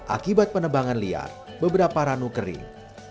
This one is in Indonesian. akibat penebangan liar beberapa ranu kering